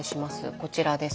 こちらです。